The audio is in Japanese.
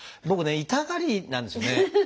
僕ね痛がりなんですよね。